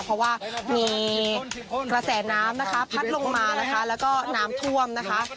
เพราะว่ามีกระแสน้ำนะคะพัดลงมานะคะแล้วก็น้ำท่วมนะคะ